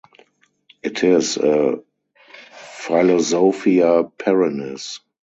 It is a philosophia perennis.